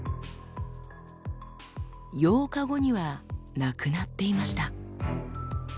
８日後にはなくなっていました。